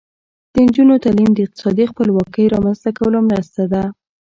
د نجونو تعلیم د اقتصادي خپلواکۍ رامنځته کولو مرسته ده.